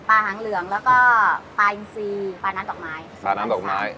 ปลาหังเหลืองแล้วก็ปลาอิงซีปลาน้ำดอกไม้